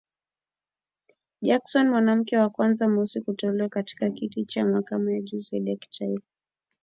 Jackson mwanamke wa kwanza mweusi kuteuliwa katika kiti cha mahakama ya juu zaidi ya taifa